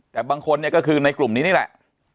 แต่บางคนเนี่ยก็คือในกลุ่มนี้นี่แหละ